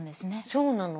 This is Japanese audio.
そうなの。